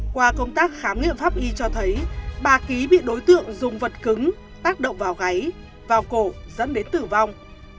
qua công tác khám nghiệm pháp y cho thấy bà ký bị đối tượng dùng vật cứng tác động vào gáy vào cổ dẫn đến tử vong